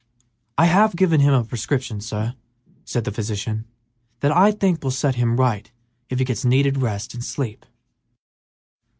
"I have given him a prescription, sir," said the physician, "that I think will set him right if he gets needed rest and sleep."